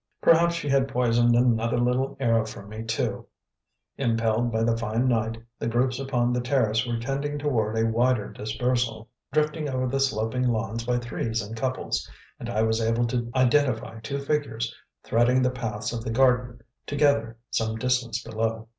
Perhaps she had poisoned another little arrow for me, too. Impelled by the fine night, the groups upon the terrace were tending toward a wider dispersal, drifting over the sloping lawns by threes and couples, and I was able to identify two figures threading the paths of the garden, together, some distance below.